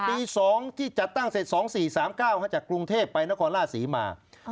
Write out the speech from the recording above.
ปีสองที่จัดตั้งเสร็จสองสี่สามเก้าเขาจากกรุงเทพไปนครราชสีมา